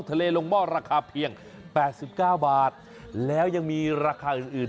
โจ๊กทะเลลงม่อราคาเทียงแปดสิบก้าวบาทและยังมีราคาอื่นอื่น